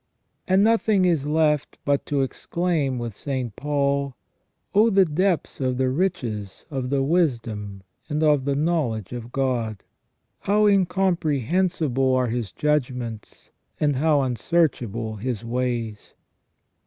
And nothing is left but to exclaim with St. Paul :" Oh, the depth of the riches of the wisdom and of ^he knowledge of God ! How incomprehensible are His judgments, and how unsearchable His ways